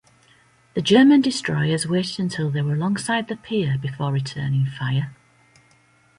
The German destroyers waited until they were alongside the pier before returning fire.